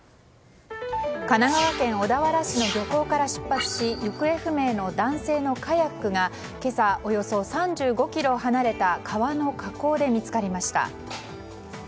神奈川県小田原市の漁港から出発し行方不明の男性のカヤックが今朝、およそ３５ｋｍ離れた川の河口で見つかりました。